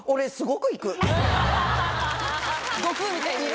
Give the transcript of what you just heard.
悟空みたいに言う。